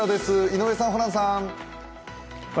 井上さん、ホランさん。